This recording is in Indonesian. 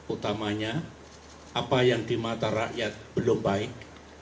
utamanya apa yang di mata rakyat belum baik